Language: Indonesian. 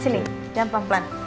sini jangan pelan pelan